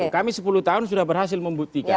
kami sepuluh tahun sudah berhasil membuktikan